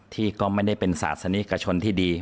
ที่ก็ไม่ได้เป็นศาสนิกชนที่ดี